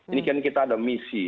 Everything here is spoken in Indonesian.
ini kan kita ada misi